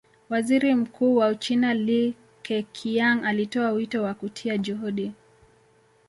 Waziri Mkuu wa Uchina Li Keqiang alitoa wito wa kutia juhudi